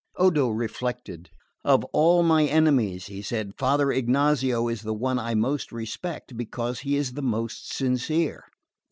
Odo reflected. "Of all my enemies," he said, "Father Ignazio is the one I most respect, because he is the most sincere."